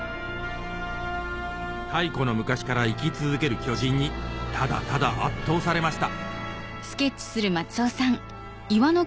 太古の昔から生き続ける巨人にただただ圧倒されました